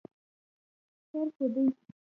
خیر خو دی.